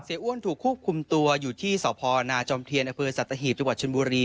เสียอ้วนถูกควบคุมตัวอยู่ที่ศพนจมอศตฺจมรม